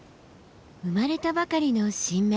生まれたばかりの新芽。